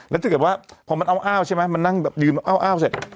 แล้วถ้าเกิดว่าพอมันอ้าวใช่ไหมมันนั่งแบบยืนอ้าวเสร็จ